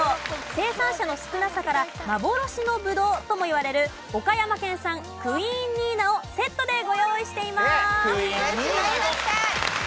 生産者の少なさから幻のブドウともいわれる岡山県産クイーンニーナをセットでご用意しています。